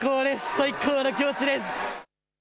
最高の気持ちです。